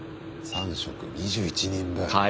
３食２１人分。